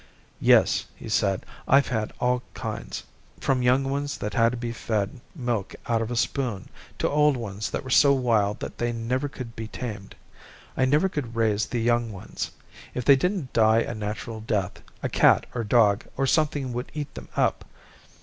"Yes," he said, "I've had all kinds, from young ones that had to be fed milk out of a spoon to old ones that were so wild that they never could be tamed. I never could raise the young ones. If they didn't die a natural death, a cat or a dog or something would eat them up.